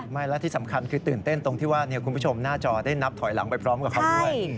ไม่และที่สำคัญคือตื่นเต้นตรงที่ว่าคุณผู้ชมหน้าจอได้นับถอยหลังไปพร้อมกับเขาด้วย